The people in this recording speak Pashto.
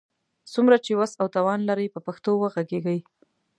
څومره چي وس او توان لرئ، په پښتو وږغېږئ!